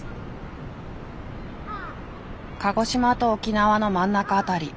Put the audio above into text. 鹿児島と沖縄の真ん中辺り